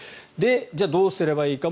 じゃあ、どうすればいいか。